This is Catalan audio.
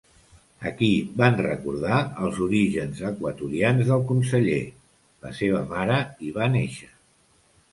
Aquí van recordar els orígens equatorians del conseller: la seva mare hi va néixer.